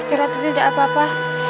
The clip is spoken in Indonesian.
istirahatnya tidak apa apa